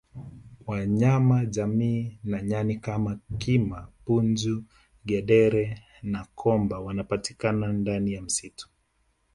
Wanyama jamii ya nyani kama kima punju ngedere na komba wanapatikana ndani ya msitu